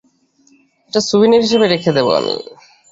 এটা স্যুভেনির হিসেবে রেখে দেবো আমি।